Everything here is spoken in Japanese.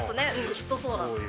きっとそうなんですよ。